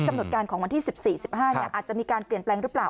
กำหนดการของวันที่๑๔๑๕อาจจะมีการเปลี่ยนแปลงหรือเปล่า